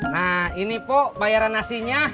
nah ini pok bayaran nasinya